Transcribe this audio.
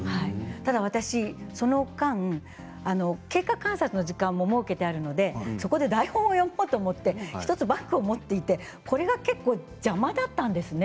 ただ私、その間経過観察の時間も設けているのでそこで台本を読もうと思ってバッグを持っていってこれが邪魔だったんですね。